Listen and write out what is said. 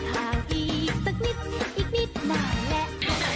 ห่างอีกสักนิดอีกนิดนานแล้ว